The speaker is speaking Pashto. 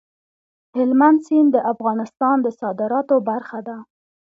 هلمند سیند د افغانستان د صادراتو برخه ده.